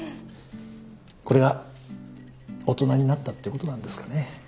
これが大人になったってことなんですかね？